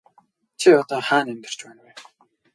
Чи одоо хаана амьдарч байна вэ?